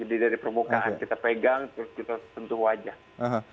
jadi dari permukaan kita pegang terus kita sentuh wajah